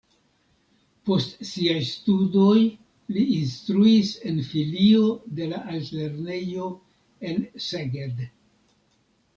Post siaj studoj li instruis en filio de la altlernejo en Szeged.